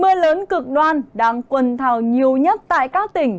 mưa lớn cực đoan đang quần thảo nhiều nhất tại các tỉnh